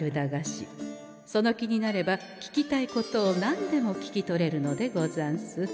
その気になれば聞きたいことを何でも聞き取れるのでござんす。